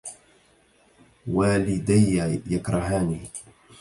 والديَّ يكرهانه.